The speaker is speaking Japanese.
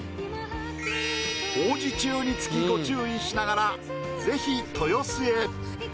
工事中につきご注意しながらぜひ豊洲へ。